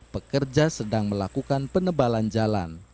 pekerja sedang melakukan penebalan jalan